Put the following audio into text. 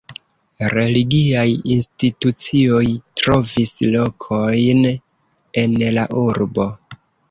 Religiaj institucioj trovis lokojn en la urbo.